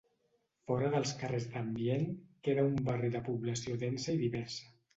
Fora dels carrers d'ambient, queda un barri de població densa i diversa.